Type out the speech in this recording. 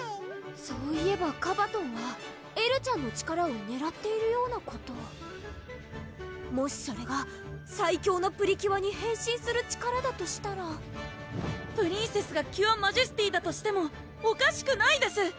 そういえばカバトンはエルちゃんの力をねらっているようなことをもしそれが最強のプリキュアに変身する力だとしたらプリンセスがキュアマジェスティだとしてもおかしくないです！